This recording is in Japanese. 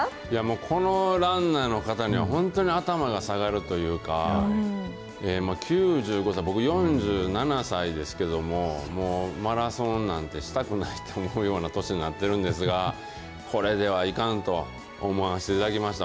このランナーの方には本当に頭が下がるというか、９５歳、僕４７歳ですけれども、マラソンなんてしたくないって思うような年になっているんですが、これではいかんと思わしていただきました。